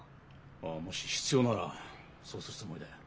ああもし必要ならそうするつもりだよ。